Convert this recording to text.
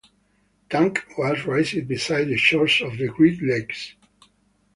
Tank was raised beside the shores of the Great Lakes.